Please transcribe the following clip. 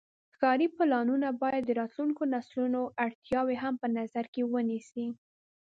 ښاري پلانونه باید د راتلونکو نسلونو اړتیاوې هم په نظر کې ونیسي.